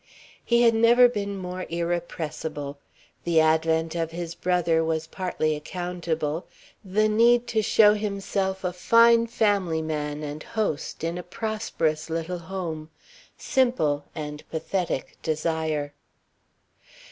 He had never been more irrepressible. The advent of his brother was partly accountable, the need to show himself a fine family man and host in a prosperous little home simple and pathetic desire.